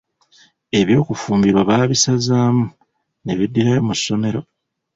Eby'okufumbirwa baabisazamu ne beddirayo mu ssomero.